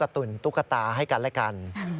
ตุ๋นตุ๊กตาให้กันและกัน